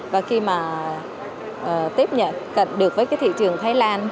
và khi mà tiếp nhận được với thị trường thái lan